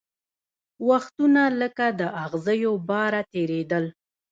وختونه لکه د اغزیو باره تېرېدل